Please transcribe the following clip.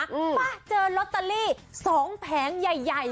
ป๊ะเจอลอตเตอรี่๒แผงใหญ่